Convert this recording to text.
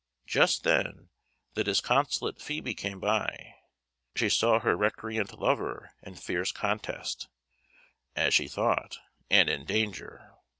Just then the disconsolate Phoebe came by. She saw her recreant lover in fierce contest, as she thought, and in danger.